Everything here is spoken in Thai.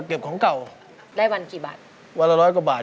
เพลงที่๑มูลค่า๑๐๐๐๐บาท